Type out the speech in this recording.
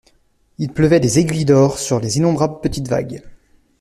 Il pleuvait des aiguilles d'or sur les innombrables petites vagues.